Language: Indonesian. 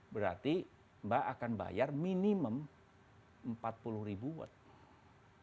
berarti mbak akan bayar minimum empat puluh ribu watt